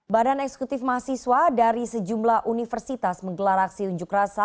badan eksekutif mahasiswa dari sejumlah universitas menggelar aksi unjuk rasa